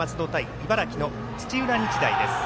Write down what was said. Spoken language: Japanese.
茨城の土浦日大です。